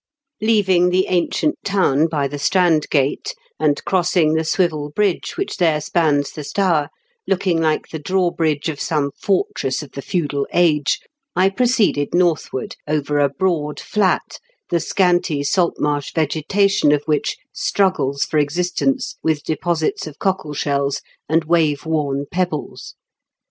Leaving the ancient town by the Strand Gate, and crossing the swivel bridge which there spans the Stour, looking like the drawbridge of some fortress of the feudal age, I proceeded northward, over a broad flat, the scanty salt marsh vegetation of which struggles for existence with deposits of cockle shells and wave worn pebbles.